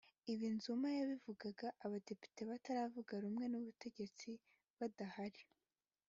Ibi Zuma yabivugaga abadepite batavuga rumwe n’ubutegetsi badahari